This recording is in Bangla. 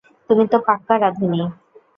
তুমি তো পাক্কা রাঁধুনি।